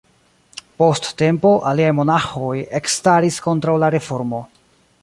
Post tempo, aliaj monaĥoj ekstaris kontraŭ la reformo.